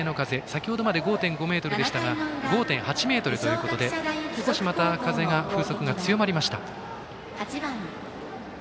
先程まで５．５メートルでしたが５．８メートルと少しまた風速が強まりました。